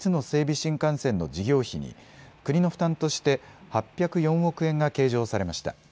新幹線の事業費に国の負担として８０４億円が計上されました。